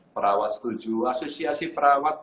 perawat setuju asosiasi perawat